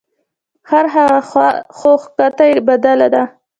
ـ خرهغه خو کته یې بدله ده .